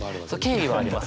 敬意はあります。